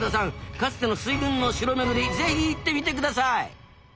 かつての水軍の城めぐり是非行ってみて下さい！